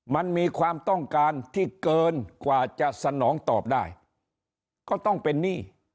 มันมีความต้องการที่เกินกว่าจะสนองตอบได้ก็ต้องเป็นหนี้